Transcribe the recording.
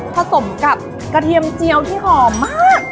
ผสมกับกระเทียมเจียวที่หอมมาก